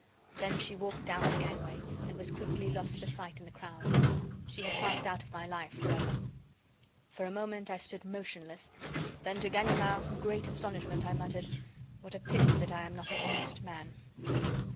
Then she walked down the gangway, and was quickly lost to sight in the crowd. She had passed out of my life forever. For a moment, I stood motionless. Then, to Ganimard's great astonishment, I muttered: "What a pity that I am not an honest man!"